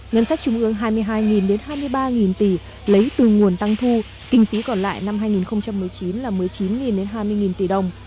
ngân sách trung ương hai mươi hai hai mươi ba tỷ lấy từ nguồn tăng thu kinh phí còn lại năm hai nghìn một mươi chín là một mươi chín hai mươi tỷ đồng